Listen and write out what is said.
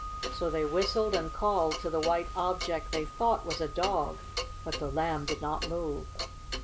So they whistled and called to the white object they thought was a dog, but the Lamb did not move.